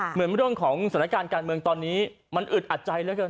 เหมือนเรื่องของสถานการณ์การเมืองตอนนี้มันอึดอัดใจเหลือเกิน